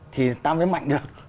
thì ta mới mạnh được